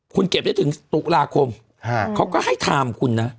คุณเก็บได้ถึงตุลาคมเขาก็ให้ไทม์คุณนะ